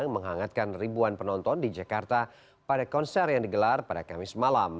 menghangatkan ribuan penonton di jakarta pada konser yang digelar pada kamis malam